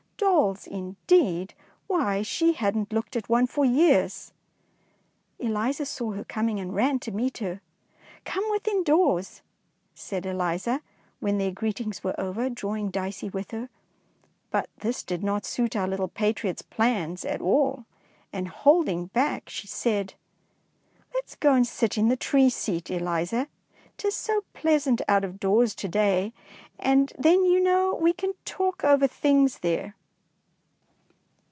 Dolls, indeed! why, she hadn't looked at one for years ! Eliza saw her coming and ran to meet her. ''Come within doors," said Eliza, when their greetings were over, draw ing Dicey with her. But this did not suit our little patriot's plans at all, and holding back, she said, — "Let's go and sit in the tree seat, 231 DEEDS 6F DAEING Eliza. 'T is so pleasant out of doors to day, and then you know we can talk over things there.